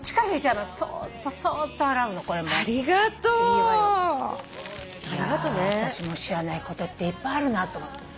いやあたしも知らないことっていっぱいあるなと思って。